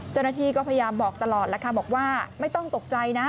เจ้าหน้าที่ก็พยายามบอกตลอดแล้วค่ะบอกว่าไม่ต้องตกใจนะ